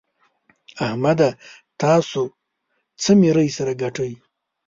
احمده! تاسو څه ميرۍ سره ګټئ؟!